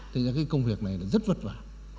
thế ra cái công việc này là rất vất vả